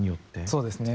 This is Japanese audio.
そうですね。